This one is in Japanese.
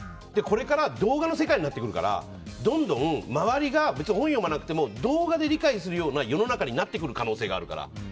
これからは動画の世界になってくるからどんどん、周りが本を読まなくなっても動画で理解するような世の中になってくる可能性があるから。